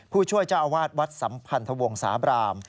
ผู้ช่วยเจ้าอาวาสวัดสัมพันธวงศาบราม